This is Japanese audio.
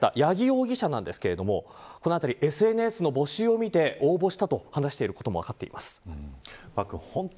逮捕された八木容疑者ですがＳＮＳの募集を見て応募したと話していることも分かっています。